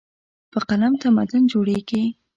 په قلم تمدن جوړېږي.